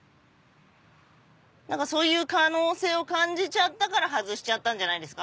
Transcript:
何かそういう可能性を感じちゃったから外しちゃったんじゃないんですか？